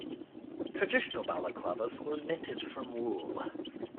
Traditional balaclavas were knitted from wool.